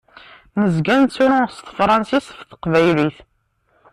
Nezga nettru s tefransist ɣef teqbaylit.